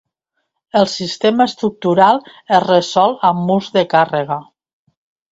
El sistema estructural es resol amb murs de càrrega.